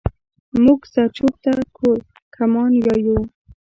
مونږ زرچوب ته کورکمان يايو